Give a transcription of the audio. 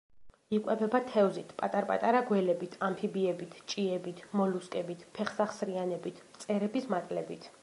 იკვებება თევზით, პატარ-პატარა გველებით, ამფიბიებით, ჭიებით, მოლუსკებით, ფეხსახსრიანებით, მწერების მატლებით.